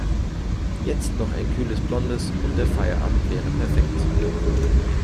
Jetzt noch ein kühles Blondes und der Feierabend wäre perfekt.